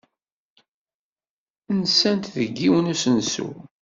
Nsant deg yiwen n usensu.